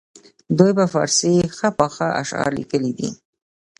دوی په فارسي ښه پاخه اشعار لیکلي دي.